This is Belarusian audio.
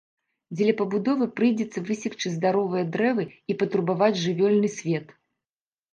Дзеля пабудовы прыйдзецца высекчы здаровыя дрэвы і патурбаваць жывёльны свет.